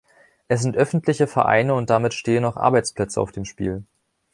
Es sind öffentliche Vereine, und damit stehen auch Arbeitsplätze auf dem Spiel.